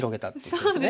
そうですね